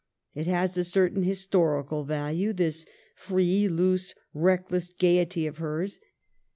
It has a certain historical value, this free, loose, reckless gayety of hers.